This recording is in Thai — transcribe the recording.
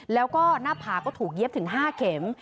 แล้วก็หน้าผาก็ถูกเย็บถึง๕เข็ม